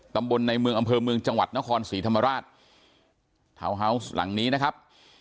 ตำบลในเมืองอำเภอเมืองจังหวัดนครศรีธรรมราชทาวน์ฮาวส์หลังนี้นะครับ